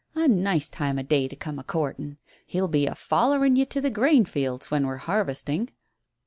A nice time o' day to come a courtin'. He'll be a follerin' you to the grain fields when we're harvesting."